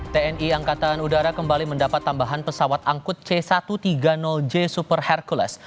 tni angkatan udara kembali mendapat tambahan pesawat angkut c satu ratus tiga puluh j super hercules